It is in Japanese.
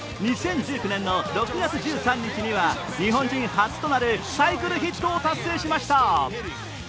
２０１９年の６月１３日には日本人初となるサイクルヒットを達成しました。